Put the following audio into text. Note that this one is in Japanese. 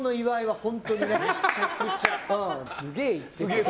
すげえ言ってた。